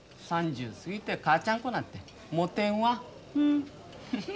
３０過ぎて母ちゃん子なんてもてんわ。